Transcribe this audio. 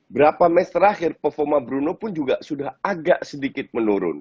berapa match terakhir performa bruno pun juga sudah agak sedikit menurun